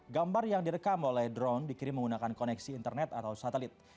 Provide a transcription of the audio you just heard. gambar yang direkam oleh drone dikirim menggunakan koneksi internet atau satelit